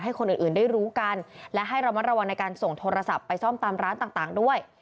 คนอื่นได้รู้กันและให้ระมัดระวังในการส่งโทรศัพท์ไปซ่อมตามร้านต่างด้วย